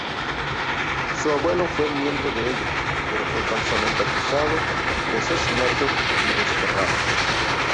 Su abuelo fue miembro de ella, pero fue falsamente acusado de asesinato y desterrado.